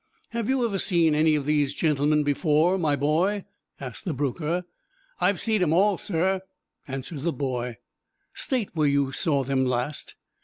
"Have you ever seen any of these gentlemen before, my boy?" asked the broker. "I've seed 'em all, sir," answered the boy. "State where you saw them last."